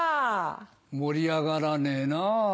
盛り上がらねえなぁ。